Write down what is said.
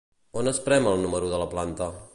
On es prem el número de la planta?